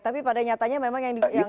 tapi pada nyatanya memang yang